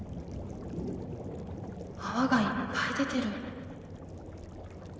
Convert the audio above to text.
泡がいっぱい出てる。